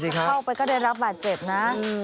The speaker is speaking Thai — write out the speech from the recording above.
ถ้าเข้าไปก็ได้รับบาดเจ็บนะ